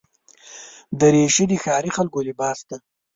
دریشي د ښاري خلکو لباس دی.